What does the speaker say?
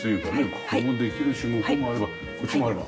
ここでもできるし向こうもあればこっちもあれば。